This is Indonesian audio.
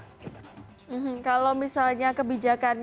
kalau misalnya kebijakannya bisa menyesuaikan dengan kebijakan yang anda lakukan